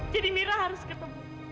jadi mira harus ketemu